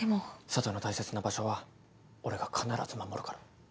佐都の大切な場所は俺が必ず守るから。